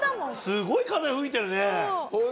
すごい風が吹いてるね。